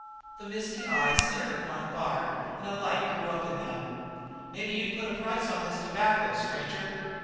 The misty eyes centred upon Bard and a light grew up in them. "Maybe you'd put a price on this tobacco, stranger?"